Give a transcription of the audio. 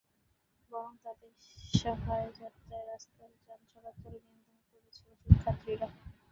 বরং তাদের সহায়তায় রাস্তায় যান চলাচল নিয়ন্ত্রণ করছিল শিক্ষার্থীরা।